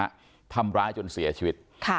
ถ้าทำร้ายจนเสียชีวิต